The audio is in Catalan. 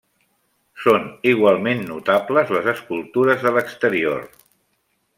Són igualment notables les escultures de l'exterior.